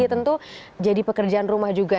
tentu jadi pekerjaan rumah juga